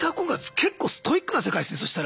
結構ストイックな世界っすねそしたら。